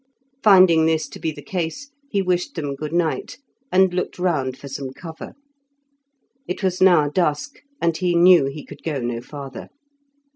Finding this to be the case, he wished them good night, and looked round for some cover. It was now dusk, and he knew he could go no farther.